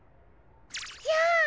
じゃあ！